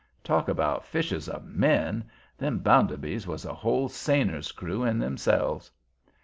Talk about "fishers of men"! them Bounderbys was a whole seiner's crew in themselves.